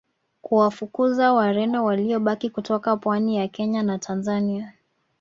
kuwafukuza Wareno waliobaki kutoka pwani ya Kenya na Tanzania